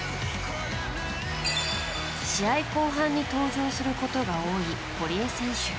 試合後半に登場することが多い堀江選手。